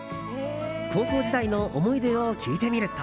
高校時代の思い出を聞いてみると。